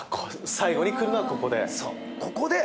最後に来るのはここで。